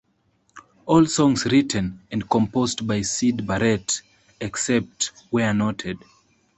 All songs written and composed by Syd Barrett, except where noted.